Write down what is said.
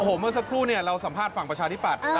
โอ้โฮเมื่อสักครู่เราสัมภาษณ์ฝั่งประชาธิปรัส